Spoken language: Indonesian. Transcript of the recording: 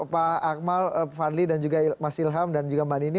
pak akmal fadli dan juga mas ilham dan juga mbak nini